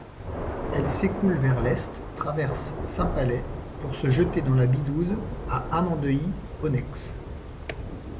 Elle s'écoule vers l'est, traverse Saint-Palais pour se jeter dans la Bidouze à Amendeuix-Oneix.